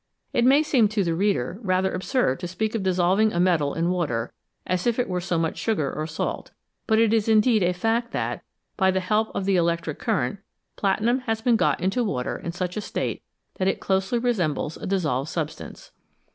It may seem to the reader rather absurd to speak of dissolving a metal in water, as if it were so much sugar or salt, but it is indeed a fact that, by the help of the electric current, platinum has been got into water in such a state that it closely resembles a dissolved substance.